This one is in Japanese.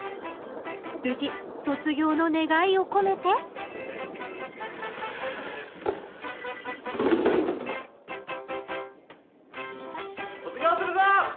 無事卒業の願いを込めて卒業するぞ！